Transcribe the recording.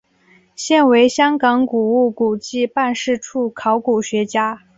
现为香港古物古迹办事处考古学家。